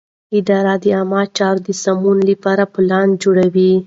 اداره د عامه چارو د سمون لپاره پلان جوړوي.